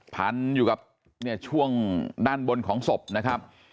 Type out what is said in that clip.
พันอยู่กับช่วงด้านบนของศพนะครับ